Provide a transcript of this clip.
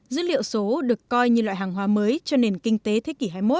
dữ liệu số được coi như loại hàng hóa mới cho nền kinh tế thế kỷ hai mươi một